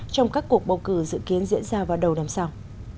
trong các cuộc bầu cử dự kiến diễn ra vào đầu năm sau